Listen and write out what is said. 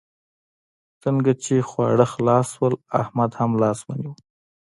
څنګه چې خواړه خلاص شول؛ احمد هم لاس ونيول.